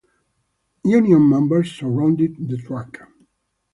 Union members surrounded the truck.